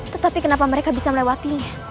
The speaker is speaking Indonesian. tetapi kenapa mereka bisa melewati